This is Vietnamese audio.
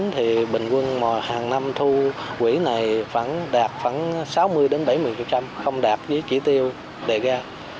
thì bình quân hàng năm thu quỹ này đạt khoảng sáu mươi bảy mươi không đạt với chỉ tiêu đề ra